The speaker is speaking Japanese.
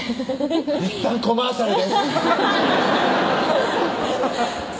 いったんコマーシャルです